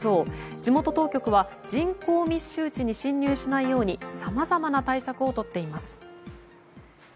地元当局は人口密集地に進入しないようにさまざまな対策をとっています。